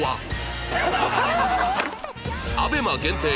ＡＢＥＭＡ 限定